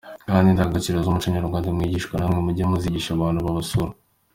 kandi indangagaciro z’umuco nyarwanda mwigishwa namwe mujye muzigisha abantu babasura.